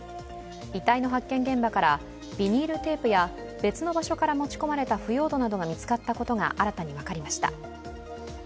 遺体の発見現場から、ビニールテープや別の場所から持ち込まれた腐葉土などが見つかったことが新たに分かりました。